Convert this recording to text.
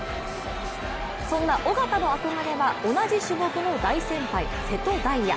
そんな小方の憧れは同じ種目の大先輩瀬戸大也。